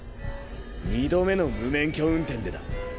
２度目の無免許運転でだ。